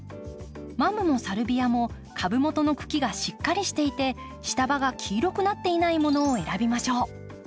マムもサルビアも株元の茎がしっかりしていて下葉が黄色くなっていないものを選びましょう。